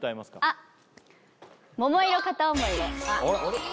あっ「桃色片想い」？